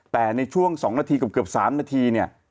แต่ในช่วง๒นาทีเกือบ๓นาทีเนี่ย